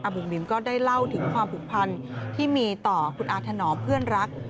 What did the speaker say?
บุ๋มบิมก็ได้เล่าถึงความผูกพันที่มีต่อคุณอาถนอมเพื่อนรัก